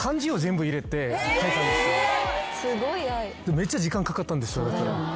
めっちゃ時間かかったんですよ。